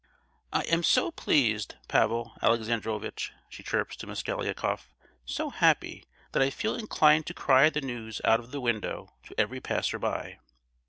"I am so pleased, Pavel Alexandrovitch," she chirps to Mosgliakoff; "so happy, that I feel inclined to cry the news out of the window to every passer by.